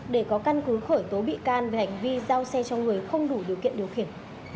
để có căn cứ khởi tố bị can về hành vi giao xe cho người không đủ điều kiện điều khiển